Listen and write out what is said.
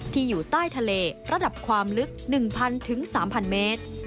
อยู่ใต้ทะเลระดับความลึก๑๐๐๓๐๐เมตร